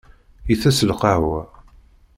Itess lqahwa.